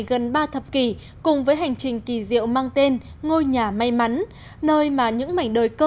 gần ba thập kỷ cùng với hành trình kỳ diệu mang tên ngôi nhà may mắn nơi mà những mảnh đời cơ